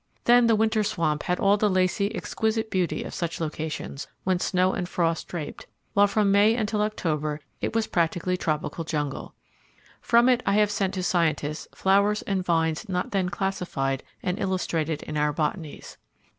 Then the Winter Swamp had all the lacy exquisite beauty of such locations when snow and frost draped, while from May until October it was practically tropical jungle. From it I have sent to scientists flowers and vines not then classified and illustrated in our botanies.